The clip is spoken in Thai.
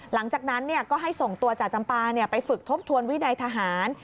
หลังจากนั้นก็ให้ส่งตัวจ่าจำปาไปฝึกทบทวนวินัยทหาร